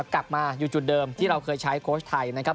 กลับมาอยู่จุดเดิมที่เราเคยใช้โค้ชไทยนะครับ